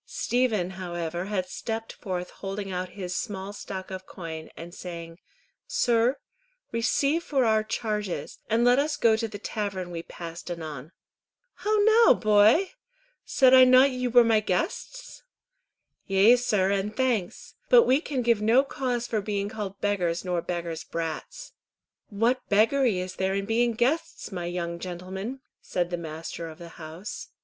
Stephen however had stepped forth holding out his small stock of coin, and saying, "Sir, receive for our charges, and let us go to the tavern we passed anon." "How now, boy! Said I not ye were my guests?" "Yea, sir, and thanks; but we can give no cause for being called beggars nor beggars' brats." "What beggary is there in being guests, my young gentlemen?" said the master of the house.